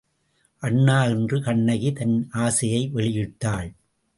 அண்ணா என்று கண்ணகி தன் ஆசையை வெளியிட்டாள்.